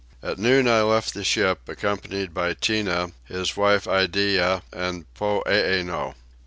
At noon I left the ship, accompanied by Tinah, his wife Iddeah, and Poeeno.